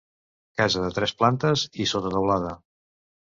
Casa de tres plantes i sota teulada.